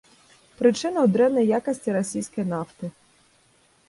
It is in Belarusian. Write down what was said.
Прычына ў дрэннай якасці расійскай нафты.